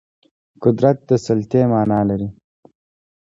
قدرت د سلطې معنا لري